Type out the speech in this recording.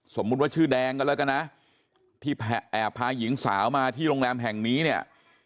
สมมุติว่าชื่อแดงกันแล้วกันนะที่แอบพาหญิงสาวมาที่โรงแรมแห่งนี้เนี่ย